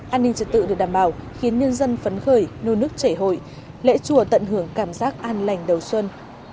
an ninh trật tự được đảm bảo khiến nhân dân phấn khởi nô nước chảy hội lễ chùa tận hưởng cảm giác an lành đầu xuân